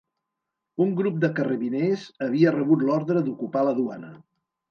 Un grup de carrabiners havia rebut l'ordre d'ocupar la duana...